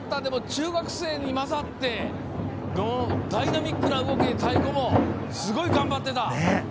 中学生に交じってダイナミックな動きで太鼓もすごい頑張ってた！